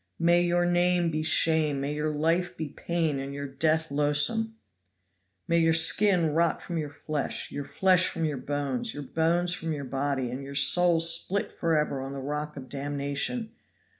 May your name be shame, may your life be pain, and your death loathsome! May your skin rot from your flesh, your flesh from your bones, your bones from your body, and your soul split forever on the rock of damnation!"